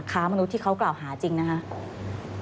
ค้ามนุษย์ที่เขากล่าวหาจริงนะครับ